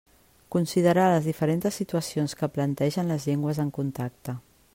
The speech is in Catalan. Considerar les diferents situacions que plantegen les llengües en contacte.